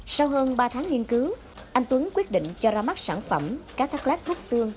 sau hơn ba tháng nghiên cứu anh tuấn quyết định cho ra mắt sản phẩm cá thác lát rút xương